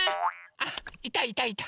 あっいたいたいた。